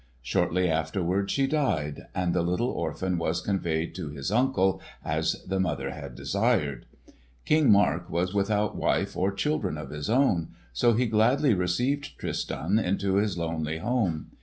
Shortly afterward she died, and the little orphan was conveyed to his uncle as the mother had desired. King Mark was without wife or children of his own, so he gladly received Tristan into his lonely home.